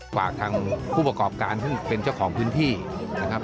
ฝากทางผู้ประกอบการซึ่งเป็นเจ้าของพื้นที่นะครับ